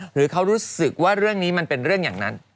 หรือเขารู้สึกว่าเรื่องนี้มันเป็นเรื่องอย่างนั้น